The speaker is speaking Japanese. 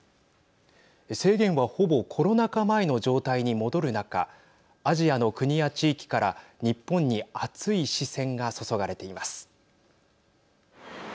制限はほぼコロナ禍前の状態に戻る中アジアの国や地域から日本に熱い視線が注がれています。